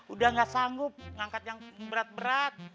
udah gak sanggup ngangkat yang berat berat